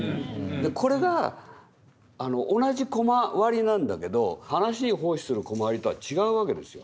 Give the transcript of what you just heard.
これが同じコマ割りなんだけど話に奉仕するコマ割りとは違うわけですよ。